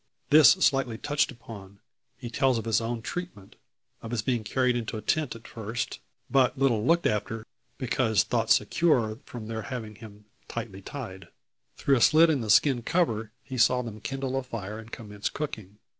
This slightly touched upon, he tells of his own treatment; of his being carried into a tent at first, but little looked after, because thought secure, from their having him tightly tied. Through a slit in the skin cover he saw them kindle a fire and commence cooking.